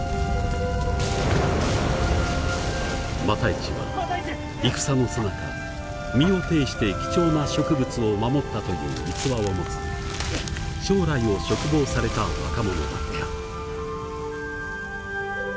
復一は戦のさなか身をていして貴重な植物を守ったという逸話を持つ将来を嘱望された若者だった。